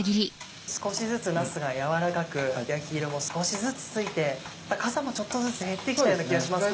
少しずつなすが軟らかく焼き色も少しずつついてかさもちょっとずつ減ってきたような気がしますね。